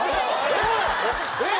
えっ？